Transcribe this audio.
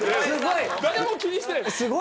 誰も気にしてない。